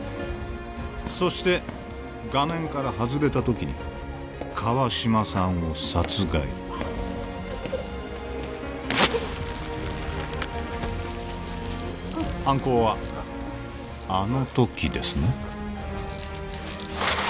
そして画面から外れた時に川島さんを殺害犯行はあの時ですね